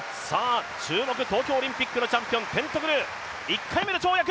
注目、東京オリンピックのチャンピオン、テントグル、１回目の跳躍。